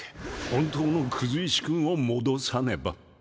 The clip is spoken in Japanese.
本当のクズ石くんを戻さねば。